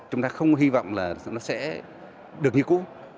chúng ta không hy vọng là nó sẽ được như cũ